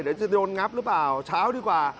เดี๋ยวจะโดนงับหรือเปล่าเช้าดีกว่า